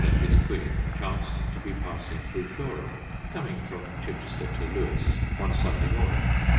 and his queen chanced to be passing through Shoreham, coming from Chichester to Lewes, one Sunday morning.